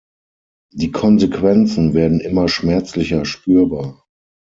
Die Konsequenzen werden immer schmerzlicher spürbar.